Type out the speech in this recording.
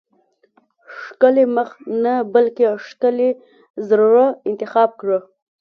ښکلی مخ نه بلکې ښکلي زړه انتخاب کړه.